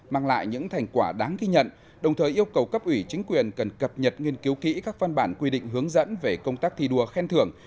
mang lại những thành quả đáng ghi nhận đồng thời yêu cầu cấp ủy chính quyền cần cập nhật nghiên cứu kỹ các văn bản quy định hướng dẫn về công tác thi đua khen thưởng